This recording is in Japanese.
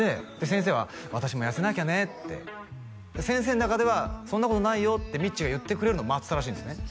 先生は「私も痩せなきゃね」って先生の中では「そんなことないよ」ってみっちーが言ってくれるのを待ってたらしいんですね